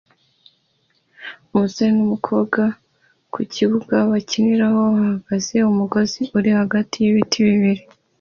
Umusore n'umukobwa ku kibuga bakiniraho bahagaze ku mugozi uri hagati y'ibiti bibiri